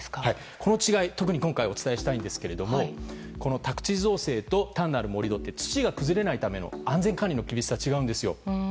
この違い、特に今回お伝えしたいんですが宅地造成と単なる盛り土って土が崩れないための安全管理の厳しさが違うんですよね。